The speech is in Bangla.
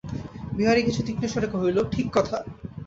বিহারী কিছু তীক্ষ্ণস্বরে কহিল, ঠিক কথা।